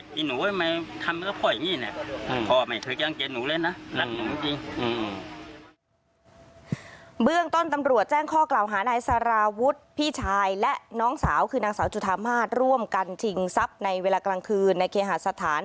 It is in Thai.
ไอ้หนูไว้ไหมทำก็พ่ออย่างนี้เนี่ย